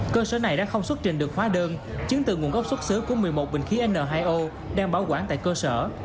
cơ sở này đã không xuất trình được hóa đơn chứng từ nguồn gốc xuất xứ của một mươi một bình khí n hai o đang bảo quản tại cơ sở